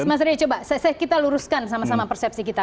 mas ria coba kita luruskan sama sama persepsi kita